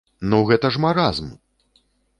Ну гэта ж маразм!